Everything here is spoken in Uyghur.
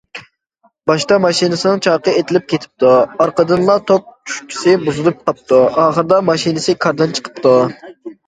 باشتا ماشىنىسىنىڭ چاقى ئېتىلىپ كېتىپتۇ، ئارقىدىنلا توك ئۈشكىسى بۇزۇلۇپ قاپتۇ، ئاخىرىدا ماشىنىسى كاردىن چىقىپتۇ.